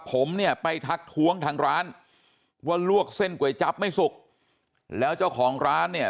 ผมเนี่ยไปทักท้วงทางร้านว่าลวกเส้นก๋วยจับไม่สุกแล้วเจ้าของร้านเนี่ย